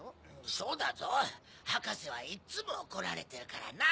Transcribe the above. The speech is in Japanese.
そうだぞ博士はいっつも怒られてるからな。